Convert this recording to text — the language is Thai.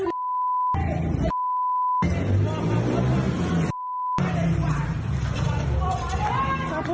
เฮ้ยถ้าโดนรถกู